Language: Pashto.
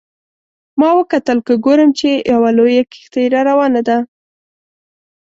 ما وکتل که ګورم چې یوه لویه کښتۍ را روانه ده.